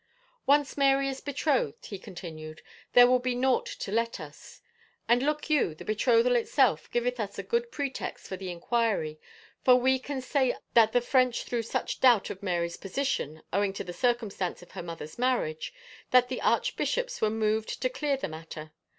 " Once Mary is betrothed," he continued, " there will be naught to let us. And, look you, the betrothal itself giveth us a good pretext for the inquiry, for we can say that the French threw such doubt of Mary's position, owing to the circumstance of her mother's marriage, that the archbishops were moved to clear the matter.